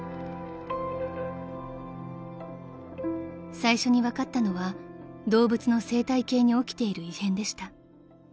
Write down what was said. ［最初に分かったのは動物の生態系に起きている異変でした］